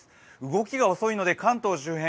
動きが遅いので関東周辺